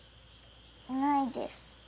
ないです。